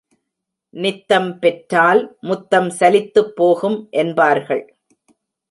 நித்தம் பெற்றால் முத்தம் சலித்துப் போகும் என்பார்கள்.